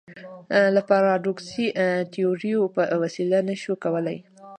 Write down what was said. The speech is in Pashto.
له پاراډوکسي تیوریو په وسیله نه شو کولای.